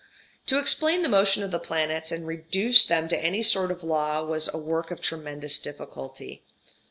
To explain the motion of the planets and reduce them to any sort of law was a work of tremendous difficulty.